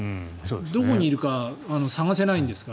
どこにいるか探せないんですから。